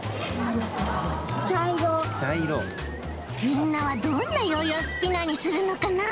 みんなはどんなヨーヨースピナーにするのかな？